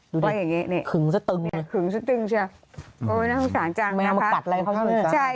ดูเนี้ยขึงหรือเปิ้ล